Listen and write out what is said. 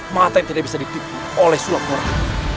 mata yang tidak bisa ditipu oleh sulap quran